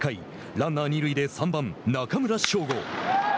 ランナー二塁で３番中村奨吾。